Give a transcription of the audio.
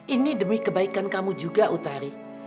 ini demi kebaikan kamu juga utari